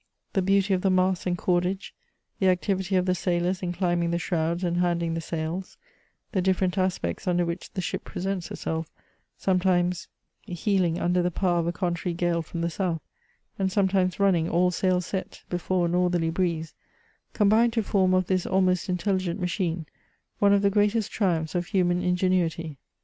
The beauty of the masts and cordage, the activity of the sailors in climbmg the shrouds and handing the sails, the different aspects under which the ship presents herself, sometimes heeling under the power of a contrary gale from the south, and sometimes runnmg, all sail set, before a northerly breeze — combine to form of this almost intelligent machine, one of the greatest triumphs of human ingenuity.